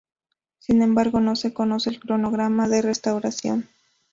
Sin embargo, no se conoce el cronograma de restauración.